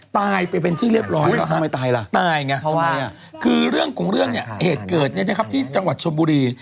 ตายไปเป็นที่เรียบร้อยแล้วฮะตายไงคือเรื่องของเรื่องเนี่ยเหตุเกิดเนี่ยนะครับที่จังหวัดชนบุรี